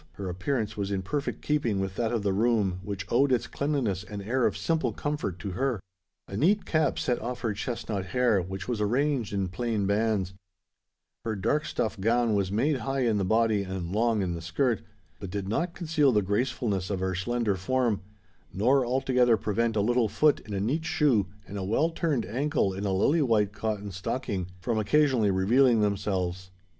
—her appearance was in perfect keeping with that of the room which owed its cleanliness and air of simple comfort to her. A neat cap set off her chesnut hair, which was arranged in plain bands: her dark stuff gown was made high in the body and long in the skirt, but did not conceal the gracefulness of her slender form, nor altogether prevent a little foot in a neat shoe and a well turned ankle in a lily white cotton stocking from occasionally revealing themselves.